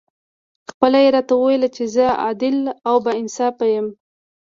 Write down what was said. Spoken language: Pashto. خپله یې راته وویل چې زه عادل او با انصافه یم.